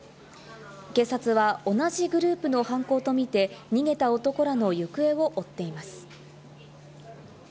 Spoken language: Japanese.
警察は同じグループの犯行とみて逃げた男らの行方を追っています。